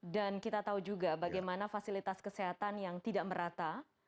dan kita tahu juga bagaimana fasilitas kesehatan yang tidak merata